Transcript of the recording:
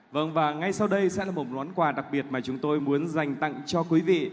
vâng và ngay sau đây sẽ là một món quà đặc biệt mà chúng tôi muốn dành tặng cho quý vị